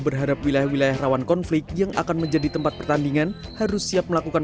berharap wilayah wilayah rawan konflik yang akan menjadi tempat pertandingan harus siap melakukan